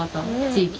地域？